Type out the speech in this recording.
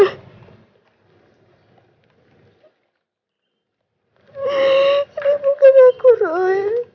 ini bukan aku roy